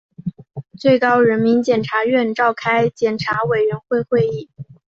最高人民检察院召开检察委员会会议